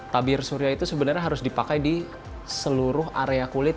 tabir surya itu sebenarnya harus dipakai di seluruh area kulit